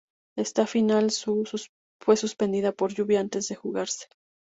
Esta final fue suspendida por lluvia antes de jugarse.